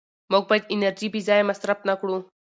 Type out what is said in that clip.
موږ باید انرژي بېځایه مصرف نه کړو